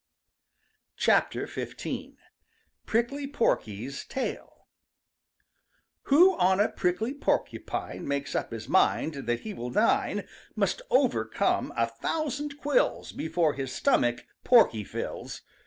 XV. PRICKLY PORKY'S TAIL Who on a prickly porcupine Makes up his mind that he will dine Must overcome a thousand quills Before his stomach Porky fills.